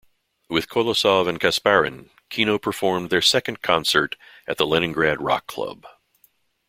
With Kolosov and Kasparyan, Kino performed their second concert at the Leningrad Rock Club.